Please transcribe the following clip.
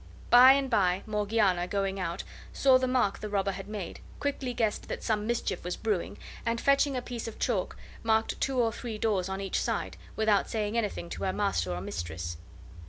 By and by Morgiana, going out, saw the mark the robber had made, quickly guessed that some mischief was brewing, and fetching a piece of chalk marked two or three doors on each side, without saying anything to her master or mistress.